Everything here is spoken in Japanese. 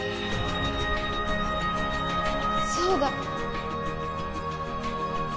そうだ。